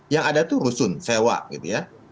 yang ada tuh rusun sewa gitu ya